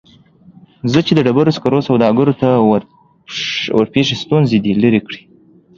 چې د ډبرو سکرو سوداګرو ته ورپېښې ستونزې دې لیرې کړي